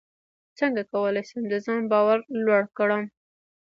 څنګه کولی شم د ځان باور لوړ کړم